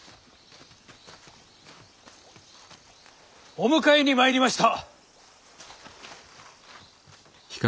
お迎えに参りました。